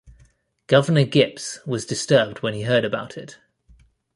Governor Gipps was disturbed when he heard about it.